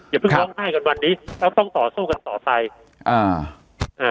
อย่าเพิ่งร้องไห้กันวันนี้เราต้องต่อสู้กันต่อไปอ่าอ่า